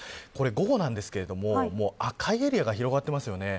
これは午後ですが赤いエリアが広がっていますよね。